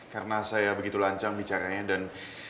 karena saya begitu lancang bicaranya dan